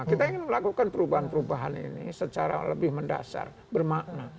kita ingin melakukan perubahan perubahan ini secara lebih mendasar bermakna